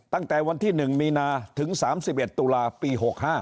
ตั้งแต่วันที่๑มีนาถึง๓๑ตุลาปี๖๕